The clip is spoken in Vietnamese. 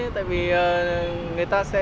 tại vì người ta sẽ